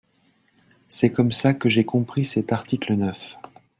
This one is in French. C’est comme ça que j’ai compris cet article neuf.